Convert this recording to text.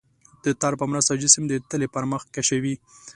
د تار په مرسته جسم د تلې پر مخ کشوي.